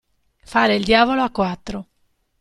Fare il diavolo a quattro.